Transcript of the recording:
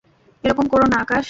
এরকম করোনা, আকাশ।